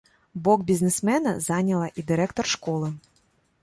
Бок бізнесмена заняла і дырэктар школы.